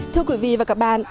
thưa quý vị và các bạn